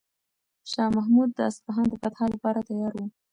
شاه محمود د اصفهان د فتح لپاره تیار و.